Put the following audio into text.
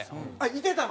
いてたの？